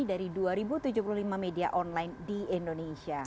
dari dua ribu tujuh puluh lima media online di indonesia